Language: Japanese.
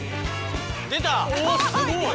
出た！